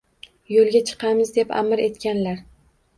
Yo’lga chiqamiz deb amr etganlar.